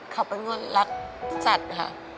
เขาเป็นคนรักสัตว์ค่ะ